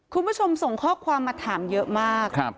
คุณผู้ชมส่งข้อความมาถามเยอะมาก